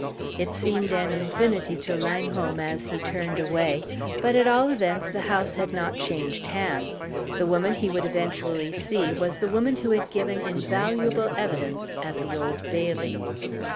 It seemed an infinity to Langholm as he turned away. But at all events the house had not changed hands. The woman he would eventually see was the woman who had given invaluable evidence at the Old Bailey.